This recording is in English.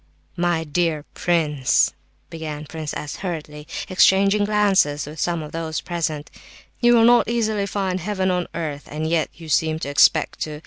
"My dear prince," began Prince S., hurriedly, exchanging glances with some of those present, "you will not easily find heaven on earth, and yet you seem to expect to.